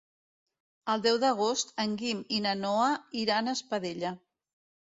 El deu d'agost en Guim i na Noa iran a Espadella.